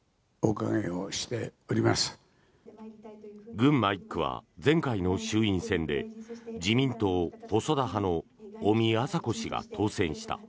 群馬１区は前回の衆院選で自民党細田派の尾身朝子氏が当選した。